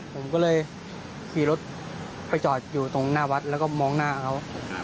ผมก็เลยขี่รถไปจอดอยู่ตรงหน้าวัดแล้วก็มองหน้าเขา